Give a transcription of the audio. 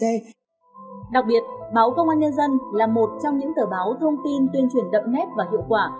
đặc biệt báo công an nhân dân là một trong những tờ báo thông tin tuyên truyền đậm nét và hiệu quả